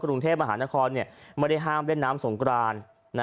กรุงเทพมหานครไม่ได้ห้ามเล่นน้ำสงกราน